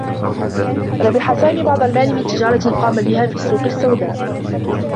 ربح سامي بعض المال من تجارة قام بها في السّوق السّوداء.